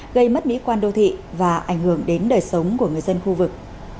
gây mất mỹ quan đô thị và ảnh hưởng đến đời sống của người dân khu vực